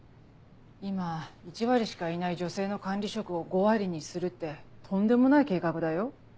今１割しかいない女性の管理職を５割にするってとんでもない計画だよ。